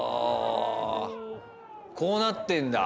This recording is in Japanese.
こうなってんだ。